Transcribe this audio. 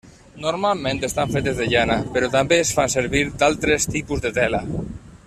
Normalment estan fetes de llana, però també es fan servir d'altres tipus de tela.